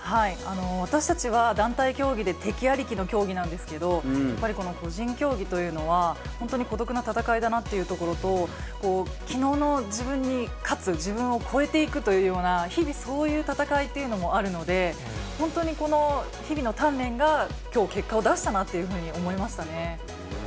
私たちは団体競技で敵ありきの競技なんですけれども、やっぱりこの個人競技というのは、本当に孤独な戦いだなというところと、きのうの自分に勝つ、自分を超えていくというような、日々、そういう戦いというのもあるので、本当にこの日々の鍛錬が、きょう結果を出したなというふうに思いましたね。